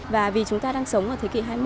và vì chúng ta đang sống ở thế kỷ hai mươi